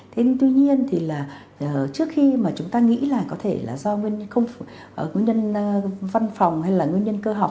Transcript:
thế nhưng tuy nhiên thì là trước khi mà chúng ta nghĩ là có thể là do nguyên nhân văn phòng hay là nguyên nhân cơ học